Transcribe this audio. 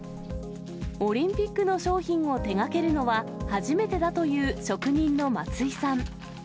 オリンピックの商品を手がけるのは初めてだという職人の松井さん。